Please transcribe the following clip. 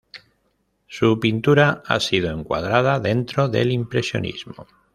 Su pintura ha sido encuadrada dentro del impresionismo.